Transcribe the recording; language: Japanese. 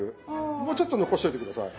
もうちょっと残しといて下さい。